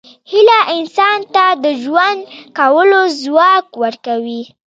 هیله انسان ته د ژوند کولو ځواک ورکوي.